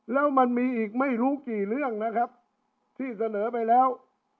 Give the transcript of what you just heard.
แล้วมันมีอีกไม่รู้กี่เรื่องนะครับที่เสนอไปแล้ว